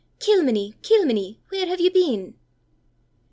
Kilmeny, Kilmeny, where have you been?